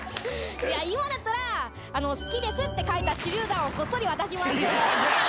いや、今だったら、好きですって書いた手りゅう弾をこっそり渡します。